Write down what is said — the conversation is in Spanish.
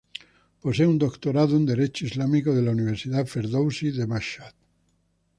Posee un doctorado en Derecho islámico de la Universidad Ferdousí de Mashhad.